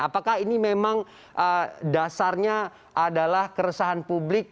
apakah ini memang dasarnya adalah keresahan publik